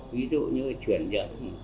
ví dụ như chuyển dựng